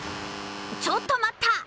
ちょっと待った！